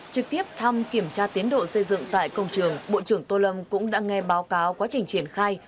trực tiếp thăm kiểm tra tiến độ xây dựng tại công trường bộ trưởng tô lâm cũng đã nghe báo cáo quá trình triển khai